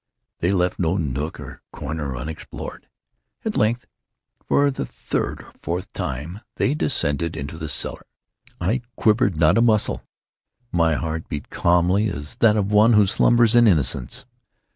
They left no nook or corner unexplored. At length, for the third or fourth time, they descended into the cellar. I quivered not in a muscle. My heart beat calmly as that of one who slumbers in innocence.